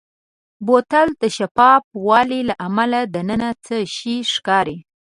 بوتل د شفاف والي له امله دننه څه شی ښکاري.